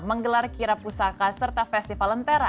menggelar kira pusaka serta festival lentera